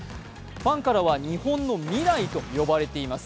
ファンからは日本の未来と呼ばれています。